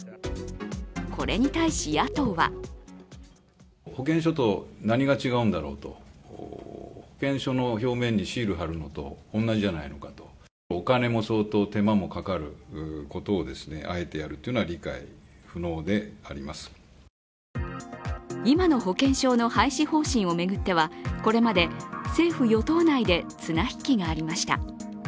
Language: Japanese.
これに対し、野党は今の保険証の廃止方針を巡っては、これまで政府・与党内で綱引きがありました。